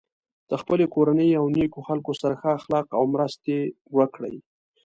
د خپل کورنۍ او نیکو خلکو سره ښه اخلاق او مرستې وکړی.